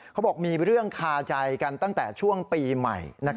เขาบอกมีเรื่องคาใจกันตั้งแต่ช่วงปีใหม่